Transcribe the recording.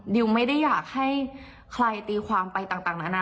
ดิวไม่ได้อยากให้ใครตีความไปต่างนานา